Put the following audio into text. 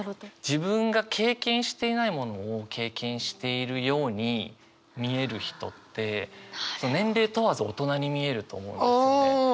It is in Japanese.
自分が経験していないものを経験しているように見える人って年齢問わず大人に見えると思うんですよね。